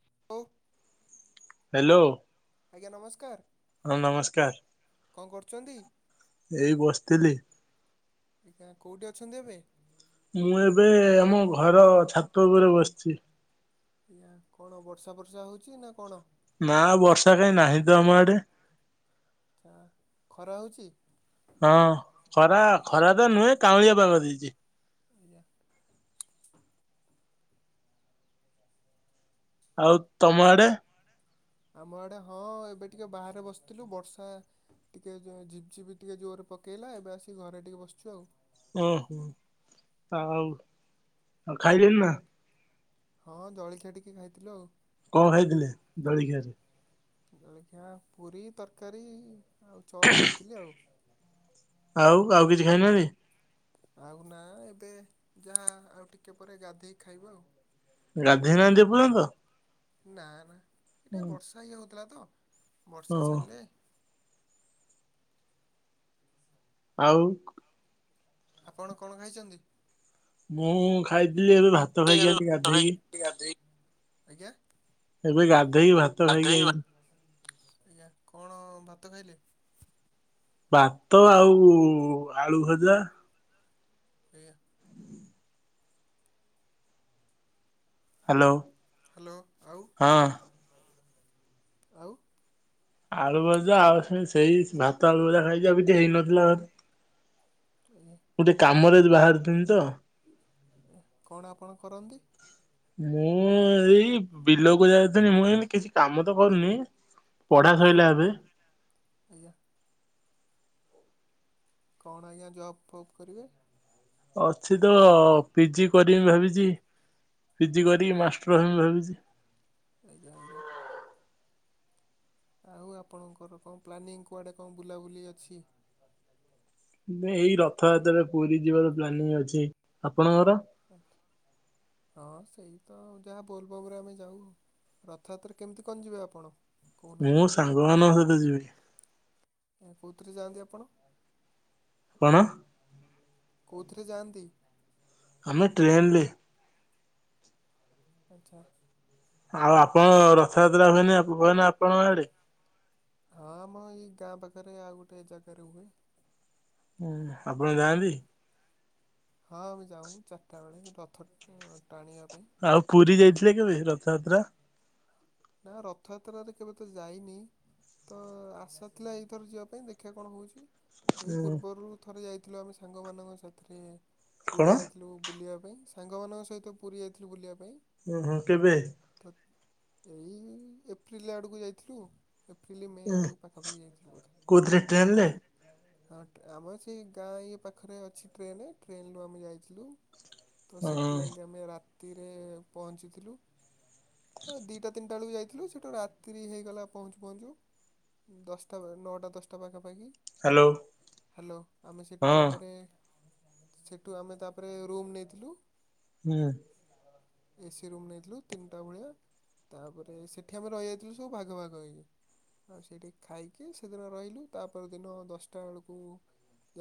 [unintelligible] Hello. ଆଜ୍ଞା ନମସ୍କାର। ହଁ ନମସ୍କାର ଏଇ ବସିଥିଲି। ଆଜ୍ଞା କୋଉଠି ଅଛନ୍ତି ଏବେ? ମୁଁ ଏବେ ଆମ ଘର ଛାତ ଉପରେ ବସିଛି। ଆଜ୍ଞା କଣ ବର୍ଷା ବର୍ଷା ହଉଛି ନା କଣ? ନା ବର୍ଷା କାହିଁ ନାହିଁ ତ ଆମ ଆଡେ। ଆ ଖରା ହଉଛି? ହଁ ଖରା ଖରା ତ ନୁହେଁ କାଉଁଳିଆ ପାଗ ଦେଇଛି। ଆଜ୍ଞା। ଆଉ ତମ ଆଡେ? ଆମ ଆଡେ ହଁ ଏବେ ଟିକେ ବାହାରେ ବସିଥିଲୁ ବର୍ଷା ଟିକେ ଯୋ ଝିପିଝିପି ଟିକେ ଜୋରରେ ପକେଇଲା ଏବେ ଆସିକି ଘରେ ଟିକେ ବସିଛୁ ଆଉ। ଓ ହୋ ଆଉ ଆଉ ଖାଇଲନି ନା? ହଁ ଜଳଖିଆ ଟିକେ ଖାଇଥିଲୁ ଆଉ। କଣ ଖାଇଥିଲେ ଜଳଖିଆ ରେ? ଜଳଖିଆ ପୁରୀ ତରକାରୀ ଆଉ ଚପ୍ ଖାଇଥିଲି ଆଉ। ଆଉ ଆଉ କିଛି ଖାଇନାହାନ୍ତି? ଆଉ ନା ଏବେ ଯାହା ଆଉ ଟିକେ ପରେ ଗାଧୋଇ ଖାଇବୁ ଆଉ। ଗାଧେଇ ନାହାନ୍ତି ଏ ପର୍ଯ୍ୟନ୍ତ? ନା ନା ଏଟେ ବର୍ଷା ଇଏ ହଉଥିଲା ତ ଓ ବର୍ଷା ଛାଡ଼ିଲେ ଆଉ ଆପଣ କଣ ଖାଇଛନ୍ତି? ମୁଁ ଖାଇଥିଲି ଏବେ ଭାତ ଖାଇକି ଆ ଗାଧେଇକି। ଆଜ୍ଞା। ଏବେ ଗାଧୋଇ ଭାତ ଖାଇକି ଆାଇଛି। ଆଜ୍ଞା କଣ ଭାତ ଖାଇଲେ? ଭାତ ଆଉ ଆଳୁ ଭଜା ଏ ହ୍ୟାଲୋ। ହ୍ୟାଲୋ ଆଉ ହଁ ଆଉ ଆଳୁ ଭଜା ଆଉ ସେଇ ସେଇ ଭାତ ଆଳୁ ଭଜା ଖାଇଛି ଆଉ କିଛି ହେଇନଥିଲା ଗୋଟେ କାମରେ ଆଜି ବାହାରିଥିଲି ତ କଣ ଆପଣ କରନ୍ତି? ମୁଁ ଏଇ ବିଲକୁ ଯାଇଥିଲି ମୁଁ ଏମତି କିଛି କାମ ତ କରୁନି। ପଢା ସାରିଲା ଏବେ। କଣ ଆଜ୍ଞା ଜବ୍ ଫବ୍ କରିବେ? ଅଛି ତ ପିଜି କରିବି ଭାବିଛି। ପିଜି କରିକି ମାଷ୍ଟର ହେବି ଭାବିଛି? ଆଜ୍ଞା ଆଜ୍ଞା। ଆଉ ଆପଣଙ୍କର କଣ ପ୍ଲାନିଂ କୁଆଡେ କଣ ବୁଲାବୁଲି ଅଛି? ଏଇ ରଥଯାତ୍ରା ପୁରୀ ଯିବାର ପ୍ଲାନିଂ ଅଛି ଅ ହଁ ସେଇ ତ ଯାହା ବୋଲବମରେ ଆମେ ଯାଉ ରଥଯାତ୍ରା କେମିତି କନ ଯିବେ ଆପଣ? ମୁଁ ସାଙ୍ଗ ମାନଙ୍କ ସହିତ ଯିବି। କେଉଁଥିରେ ଯାଆନ୍ତି ଆପଣ? କଣ? କୋଉଁଥିରେ ଯାଆନ୍ତି? ଆମେ ଟ୍ରେନରେ। ଆଚ୍ଛା। ଆଉ ଆପଣ ରଥଯାତ୍ରା ହୁଏନି [unintelligible] ଆପଣଙ୍କ ଆଡେ? ହଁ ମ ଏଇ ଗାଁ ପାଖରେ ଆଉ ଗୋଟେ ଜାଗାରେ ହୁଏ। ହୁଁ ଆପଣ ଯାଆନ୍ତି। ହଁ ଆମେ ଯାଉ ଚାରିଟା ବେଳେ ରଥ [unintelligible] ଆଉ ପୁରୀ ଯାଇଥିଲେ କେବେ ରଥଯାତ୍ରା? ନା ରଥଯାତ୍ରାରେ କେବେ ତ ଯାଇନି। ତ ଆସା ଥିଲା ଏଇଥର ଯିବା ପାଇଁ ଦେଖିବା କଣ ହଉଚି। ଏଇ ଉଁ ପୂର୍ବରୁ ଥରେ ଯାଇଥିଲୁ ଆମେ ସାଙ୍ଗମାନଙ୍କ ସାଥିରେ କଣ ପୁରୀ ଯାଇଥିଲୁ ବୁଲିବା ପାଇଁ ସାଙ୍ଗମାନଙ୍କ ସହିତ ପୁରୀ ଯାଇଥିଲୁ ବୁିଲିବା ପାଇଁ। ଓ ହୋଁ କେବେ? ଏଇ ଏପ୍ରିଲ ଆଡକୁ ଯାଇଥିଲୁ। ଏପ୍ରିଲ ମେ ଉଁ ଆଡୁ ପାଖା ପାଖି ଯାଇଥିଲୁ ବୋଧେ। କୋଉଥିରେ ଟ୍ରେନରେ ଆ ଆମର ସେଇ ଗାଁ ଇଏ ପାଖରେ ଅଛି ଟ୍ରେନ, ଟ୍ରେନ୍ରୁ ଆମେ ଯାଇଥିଲୁ। ତ ଉଁ ସେଠି ଯାଇକି ହ୍ୟାଲୋ ଆମେ ରାତିରେ ପହଞ୍ଚିଥିଲୁ ଅ ଦିଟା ତିନିଟା ବେଳକୁ ଯାଇଥିଲୁ ସେଇଟା ରାତିିରେ ହେଇଗଲା ପହଞ୍ଚୁ ପହଞ୍ଚୁ, ଦଶଟା ନଅଟା ଦଶଟା ପାଖାପା ପାଖି ହାଲୋ ଆମେ ସେଇଠୁ ହଁ ତାପରେ ସେଠୁ ଆମେ ତାପରେ ରୁମ ନେଇଥିଲୁ। ହୁଁ। ଏସିି ରୁମ୍ ନେଇଥିଲୁ ତିନିଟା ଭଳିଆ, ତାପରେ ସେଠି ଆମେ ରହିଯାଇଥିଲୁ ସବୁ ଭାଗ ଭାଗ ହେଇକି ଆଉ ସେଇଠି ଖାଇକି ସେଦିନ ରହିଲୁ ତାପର ଦିନ ଦଶଟା ବେଳକୁ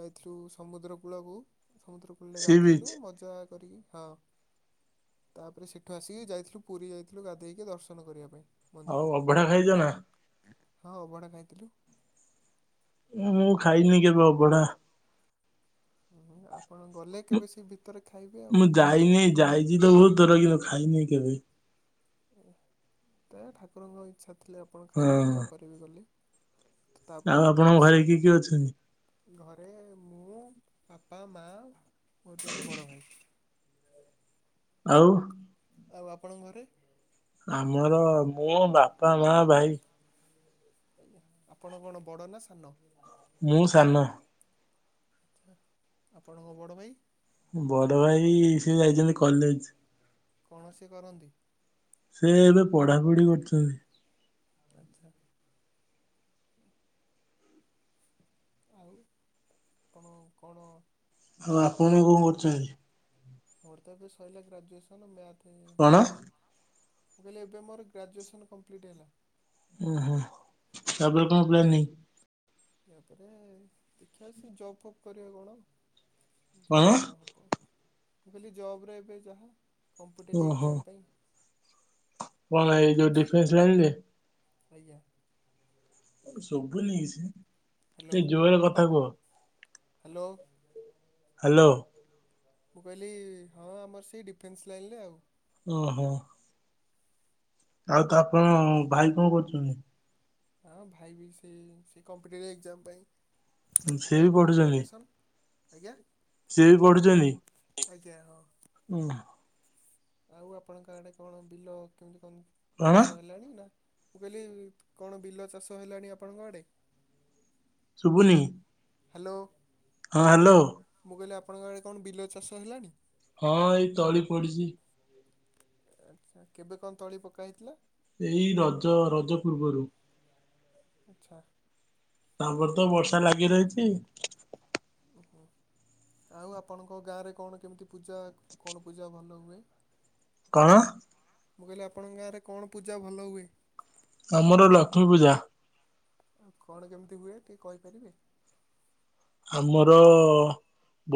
ଯାଇଥିଲୁ ସମୁଦ୍ର କୂଳକୁ, ସମୁଦ୍ର କୂଳରେ ସି ବିଚ୍ ଗାଧେଇଲୁ ମଜା କରିକି ହଁ ତାପରେ ସେଠୁ ଆସିକି ଯାଇଥିଲୁ ପୁରୀ ଯାଇଥିଲୁ ଗାଧେଇକି ଟିକେ ଦର୍ଶନ କରିବା ପାଇଁ। ଆଉ ଅଭଢା ଖାଇଚ ନା? ହଁ ଅଭଡ଼ା ଖାଇଥିଲୁ। ମୁଁ ଖାଇନି କେବେ ଅବଢା। ହୁଁ ଆ ମୁଁ ଯାଇନାଇ ଯାଇଚି ତ ବହୁତ ଥର କିନ୍ତୁ ଖାଇନାଇ କେବେ। ତା ଠାକୁରଙ୍କ ଇଚ୍ଛା ଥିଲେ ଆପଣ ହଁ ଖାଇବେ ୟା ପରେ ବି ଗଲେ। ଆଉ ଆପଣଙ୍କ ଘରେ କିଏ କିଏ ଅଛନ୍ତି? ଘରେ ମୁଁ ବାପା, ମା, ମୋର ଜଣେ ବଡ଼ ଭାଇ। ଆଉ ଆଉ ଆପଣଙ୍କ ଘରେ? ଆମର ମୁଁ ବାପା ମା ଭାଇ। ଆପଣ କଣ ବଡ ନା ସାନ? ମୁଁ ସାନ। ଆଚ୍ଛା ଆପଣଙ୍କ ବଡ଼ ଭାଇ? ବଡ ଭାଇ ସିଏ ଯାଇଚନ୍ତି କଲେଜ। କଣ ସେ କରନ୍ତି? ସେ ଏବେ ପଢାପଢି କରୁଚନ୍ତି। ଆଚ୍ଛା। ଆଉ ଆପଣ କଣ ଆଉ ଆପଣ କଣ କରୁଚନ୍ତି? ମୋର ତ ଏବେ ସରିଲା ଗ୍ରାଜୁଏସନ୍ ମ୍ୟାଥ କଣ? ଥିଲା। ମୁଁ କହିଲି ଏବେ ମୋର ଗ୍ରାଜୁଏସନ କମପ୍ଲିଟ ହେଲା। ଓ ତାପରେ କଣ ପ୍ଲାନିଙ୍ଗ? ୟାପରେ ଦେଖିବା ସେ ଜପ୍ ଫପ୍ କରିବା କଣ। କଣ ଯାହା ତ ହବ ମୁ କହିଲି ଜବରେ ଏବେ ଯାହା ଓ ହୋ କଣ ହେଲା ଏଇ ଯଉ ଡିଫେନ୍ସ ଲାଇନ ରେ? ଆଜ୍ଞା। ଶୁଭୁନି କିଛି, ଟିକେ ଜୋରର କଥା କୁହ। ହ୍ୟାଲୋ। ହ୍ୟାଲୋ। ମୁଁ କହିଲି ହଁ ଆମର ସେଇ ଡିଫେନ୍ସ୍ ଲାଇନ୍ ରେ ଆଉ। ଓହୋ। ଆଉ ତା ଆପଣ ଭାଇ କଣ କରୁଛନ୍ତି? ହଁ ଭାଇ ବି ସେ ସେ କମ୍ପିଟିପି ଏଗଜାମ ପାଇଁ ସିଏ ବି ପଢୁଛନ୍ତି। ଆଜ୍ଞା। ସିଏ ବି ପଢୁଛନ୍ତି। ଆଜ୍ଞା ହଁ। ନା। ଆଉ ଆପଣଙ୍କ ଆଡେ କଣ ବିଲ କେମିତି କଣ କଣ ଚାଷ ହେଲାଣି। ନା ମୁଁ କହିଲି କଣ ବିଲ ଚାଷ ହେଲାଣି ଆପଣଙ୍କ ଆଡେ? ଶୁଭୁନି। ହ୍ୟାଲୋ। ହଁ ହ୍ୟାଲୋ। ମୁଁ କହିଲି ଆପଣଙ୍କ ଆଡେ କଣ ବିଲ ଚାଷ ହେଲାଣି? ହଁ ଏଇ ତଳି ପଡିଚି। ଆଚ୍ଛା କେବେ କଣ ତଳି ପକା ହେଇଥିଲା? ଏଇ ରଜ ରଜ ପୂର୍ବରୁ। ଆଚ୍ଛା। ଆମର ତ ବର୍ଷା ଲାଗି ରହିଚି। ହୁଁ। ଆଉ ଆପଣଙ୍କ ଗାଁରେ କଣ କେମିତି ପୂଜା କଣ ପୂଜା ଭଲ ହୁଏ? କଣ? ମୁଁ କହିଲି ଆପଣଙ୍କ ଗାଁରେ କଣ ପୂଜା ଭଲ ହୁଏ? ଆମର ଲକ୍ଷ୍ମୀପୂଜା। କଣ କେମିତି ହୁଏ ଟିକେ କହିପାରିବେ? ଆମର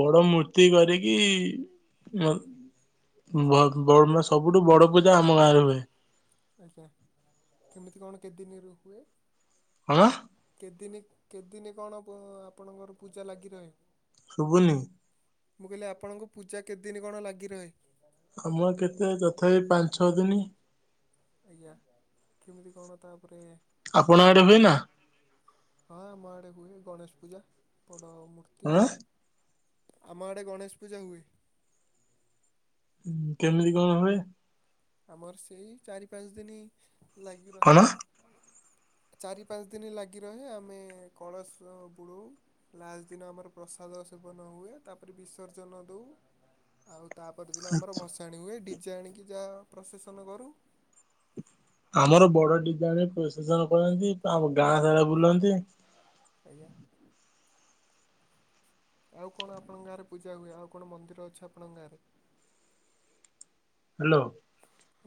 ବଡ ମୂର୍ତ୍ତି କରିକି [unintelligible] ସବୁଠୁ ବଡ ପୂଜା ଆମ ଗାଁରେ ହୁଏ। ଆଜ୍ଞା କେମିତି କଣ କେତେ ଦିନିରୁ ହୁଏ? କଣ? କେଦିନି କେତଦିନି କଣ ଆପଣଙ୍କର ପୂଜା ଲାଗି ରହେ? ଶୁଭୁନି। ମୁଁ କହିଲି ଆପଣଙ୍କୁ ପୂଜା କେତେଦିନ କଣ ଲାଗି ରହେ? ଆମ କେତେ ତଥାପି ପାଞ୍ଚ ଛଅ ଦିନି। ଆଜ୍ଞା କେମିତି କଣ ତାପରେ ଆପଣ ଆଡେ ହୁଏ ନା। ହଁ ଆମ ଆଡେ ହୁଏ। ଗଣେଶ ପୂଜା ବଡ ମୂର୍ତ୍ତି। ଆଁ ଆମ ଆଡେ ଗଣେସ ପୂଜା ହୁଏ। ହୁଁ କେମିତି କଣ ହୁଏ? ଆମର ସେଇ ଚାରି ପାଞ୍ଚ ଦିନି ଲାଗି କଣ ରହେ। ଚାରି ପାଞ୍ଚ ଦିନ ଲାଗି ରହେ। ଆମେ କଳସ ବୁଡଉ ଲାଷ୍ଟ୍ ଦିନ ଆମର ପ୍ରସାଦ ପ୍ରସାଦ ସେବନ ହୁଏ। ତାପରେ ବିସର୍ଜନ ଦୋଉ। ଆଉ ତା ପରଦିନ ଆମର ଭସାଣି ହୁଏ। ଡିଜେ ଆଣିକି ଯାହା ପ୍ରସେସନ କରୁ। ଆମର ବଡ ଡିଜେ ଆଣିକି ପ୍ରସେସନ କରନ୍ତି। ଆଉ ଗାଁ ସାରା ବୁଲନ୍ତି। ଆଜ୍ଞା। ଆଉ କଣ ଆପଣଙ୍କ ଗାଁରେ ପୂଜା ହୁଏ? ଆଉ କଣ ମନ୍ଦିର ଅଛି ଆପଣଙ୍କ ଗାଁରେ? ହ୍ୟାଲୋ।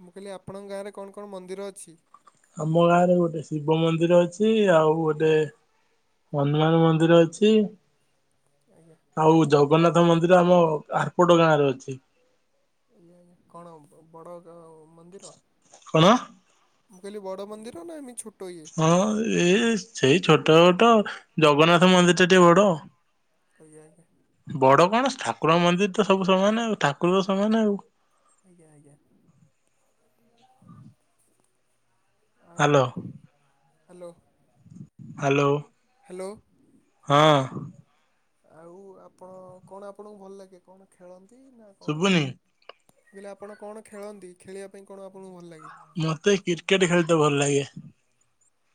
ମୁଁ କହିଲି ଆପଣଙ୍କ ଗାଁରେ କଣ କଣ ମନ୍ଦିର ଅଛି? ଆମ ଗାଁ ରେ ଗୋଟେ ଶିବ ମନ୍ଦିର ଅଛି। ଆଉ ଗୋଟେ ହନୁମାନ ମନ୍ଦିର ଅଛି। ଆଉ ଜଗନ୍ନାଥ ମନ୍ଦିର ଆମ ଆର ପଟ ଗାଁରେ ଅଛି। କଣ ବଡ ଉ ମନ୍ଦିର? କଣ ମୁଁ କହିଲି ବଡ ମନ୍ଦିର ନା ଏମତି ଛୋ ହଁ ଏଇ ସେଇ ଛୋଟ ଛୋଟ ଜଗନ୍ନାଥ ମନ୍ଦିର ଟା ଟିକେ ବଡ। [unintelligible] ଯାଇକି। ବଡ କଣ ଠାକୁର ମନ୍ଦିର ତ ସବୁ ସମାନ ଆଉ। ଠାକୁର ତ ସମାନ ଆଉ। ଆଜ୍ଞା ଆଜ୍ଞା। [inaudible] ହାଲୋ। ହ୍ୟାଲୋ। ହ୍ୟାଲୋ। ହାଲୋ। ହଁ। ଆଉ ଆପଣ କଣ ଆପଣଙ୍କୁ ଭଲ ଲାଗେ। କଣ ଖେଳନ୍ତି ନା କଣ? ଶୁଭୁନି? ମୁଁ କହିଲି ଆପଣ କଣ ଖେଳନ୍ତି। ଖେଳିବା ପାଇଁ କଣ ଆପଣଙ୍କୁ ଭଲ ଲାଗେ? ମତେ କ୍ରିକେଟ ଖେଳିତେ ଭଲ ଲାଗେ।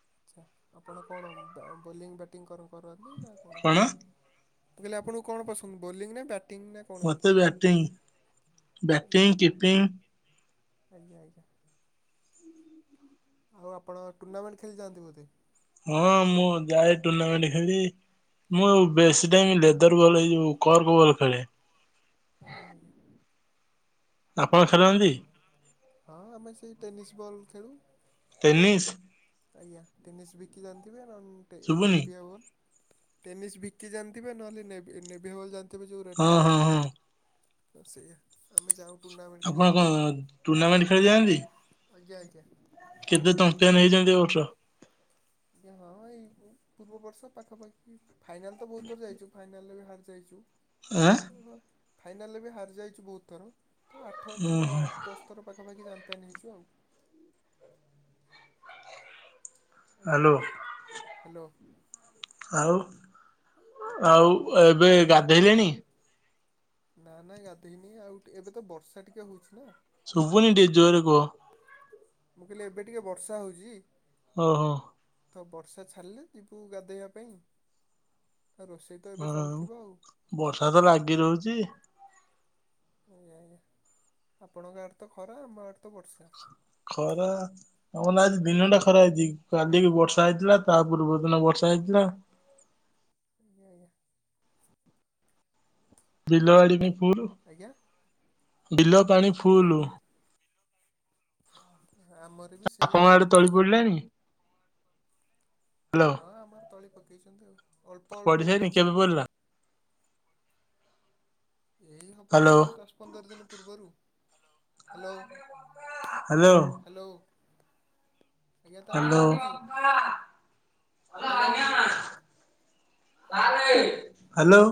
ଆଚ୍ଛା, ଆପଣ କଣ ବ ବୋଲିଂ ବ୍ୟାଟିଂ କରପାରନ୍ତି ନା କଣ? ମୁଁ କହିଲି, ଆପଣଙ୍କୁ କଣ ପସନ୍ଦ ବୋଲିଂ ନା ବ୍ୟାଟ ମୋତେ ବ୍ୟାଟିଂ ବ୍ୟାଟିଂ, କିପିଂ। ଆଜ୍ଞା ଆଜ୍ଞା। ଆଉ ଆପଣ ଟୁର୍ଣ୍ଣାମେଣ୍ଟ ଖେଳି ଯାଆନ୍ତି ବୋଧେ? ହଁ ମୁଁ ଯାଏ ଟୁର୍ଣ୍ଣାମେଣ୍ଟ ଖେଳି। ମୁଁ ଆଉ ବେଶି ଟାଇମ ଲେଦର ବଲ ଏଇ ଯୋଉ କର୍ପ୍ ବଲ ଖେଳେ। ଆଜ୍ଞା ଆଜ୍ଞା। ଆପଣ ଖେରନ୍ଦି? ହଁ, ଆମେ ସେଇ ଟେନିସ ବଲ୍ ଖେଳୁ। ଟେନିସ୍? ଆଜ୍ଞା, ଟେନିସ ବିକି ଜାଣି ଯାଆନ୍ତି ରନ ଗୋଟେ ଏଇ ଶୁଭୁନି? ନେଭିଆ ବଲ। ଟେନିସ ବିକି ଜାଣିଥିବେ ନହେଲେ ନେଭି ନେଭିୟା ବଲ ତେବେ ଯୋଉ ରେଡ୍ ହଁ ହଁ କଲରର। ହଁ ସେଇଆ ଆମେ ଯାଉ ଆପଣ କଣ ଟୁର୍ଣ୍ଣାମେଣ୍ଟ ଖେଳି ଯାଆନ୍ତି? ଆଜ୍ଞା, ଆଜ୍ଞା। କେତେ ଚମ୍ପିଆନ ହେଇଚନ୍ତି, ଏ ବର୍ଷ? ଆ ହଁ ଏଇ ପୂର୍ବ ବର୍ଷ ପାଖାପାଖି ଫାଇନାଲ ତ ବହୁତ ଯାଇଚୁ। ଫାଇନାଲରେ ବି ହାରି ଯାଇଚୁ। ଆଁ? ଫାଇନାଲରେ ବି ହାରିଯାଇଚୁ ବହୁତ ଥର। ତ ଆଠ ଥର ଆଠ ଦଶ ଥର ପାଖାପାଖି ଜାଣି ଚମ୍ପିୟାନ ହେଇଚୁ ଆଉ। Hello hello. ଆଉ ଆଉ ଏବେ ଗାଧେଇଲେଣି? ନା ନା ଗାଧୋଇନି ଆଉ ଏବେ ତ ବର୍ଷା ଟିକେ ହଉଚି ନା ଶୁଭୁନି ଟିକିଏ ଜୋରେ କୁହ। ମୁଁ କଇଲି ଏବେ ଟିକେ ବର୍ଷା ହଉଚି। ଓହୋ। ତ ବର୍ଷା ଛାଡିଲେ ଯିବୁ ଗାଧୋଇବା ପାଇଁ। ଆଉ ବର୍ଷା ତ ଲାଗି ରହୁଚି। ଆଜ୍ଞା ଆଜ୍ଞା ଆପଣଙ୍କ ଆଡେ ତ ଖରା। ଆମ ଆଡେ ଖ ଖରା ହଁ ନା ଆଜି ଦିନଟା ଖରା ହେଇଛି। କାଲି ବର୍ଷା ହେଇଥିଲା ତା ପୂର୍ବ ଦିନ ବର୍ଷା ହେଇଥିଲା। [inaudible] ବିଲ ଆଡି ବି ଫୁଲ, ବିଲ ପାଣି ଫୁଲ। ଆପଣଙ୍କ ଆଡେ ତଳି ପଡିଲାଣି? ହଁ, ଆମର ତଳି ପକେଇଛନ୍ତି ଆଉ ପଡିିସାଇଲାନି କେବେ ପଡ଼ିଲା? ଏଇ ହବ ହ୍ୟାଲୋ ଏଇ ଦଶ, ପନ୍ଦର ଦିନ ପୂର୍ବରୁ। ହାଲୋ ହାଲୋ ଆଜ୍ଞା, ତାହେଲେ ରଖୁଛି। Hello hello